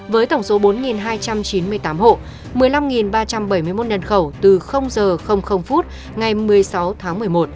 với tổng số bốn hai trăm chín mươi tám hộ một mươi năm ba trăm bảy mươi một nhân khẩu từ h ngày một mươi sáu tháng một mươi một